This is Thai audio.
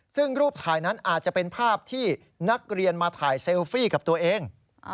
ซึ่งรูปถ่ายนั้นอาจจะเป็นภาพที่นักเรียนมาถ่ายเซลฟี่กับตัวเอง